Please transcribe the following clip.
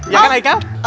ya kan aikal